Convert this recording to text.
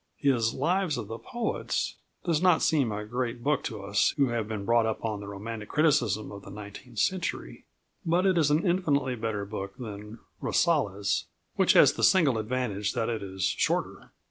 His Lives of the Poets does not seem a great book to us who have been brought up on the romantic criticism of the nineteenth century, but it is an infinitely better book than Rasselas, which has the single advantage that it is shorter.